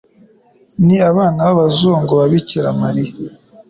Ni abana b'abazungu ba Bikira Mariya